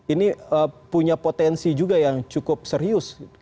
ini punya potensi juga yang cukup serius